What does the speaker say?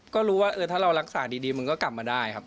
ก็รู้ว่าถ้าเรารักษาดีมันก็กลับมาได้ครับ